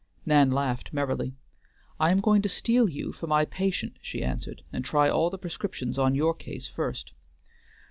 Nan laughed merrily. "I am going to steal you for my patient," she answered, "and try all the prescriptions on your case first."